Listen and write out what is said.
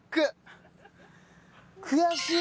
悔しい！